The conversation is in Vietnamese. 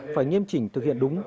phải nghiêm chỉnh thực hiện đúng